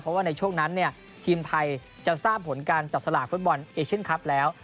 เพราะว่าในช่วงนั้นเนี่ยทีมไทยจะทราบผลการจับสลากฟุตบอลเอเชียนคลับแล้ว